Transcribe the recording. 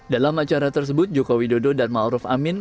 dalam acara tersebut jokowi dodo dan ma'ruf amin